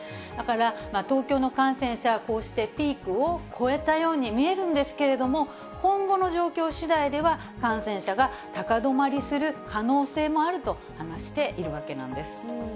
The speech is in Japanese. だから、東京の感染者はこうしてピークを越えたように見えるんですけれども、今後の状況しだいでは、感染者が高止まりする可能性もあると話しているわけなんです。